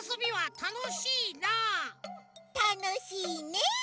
たのしいね！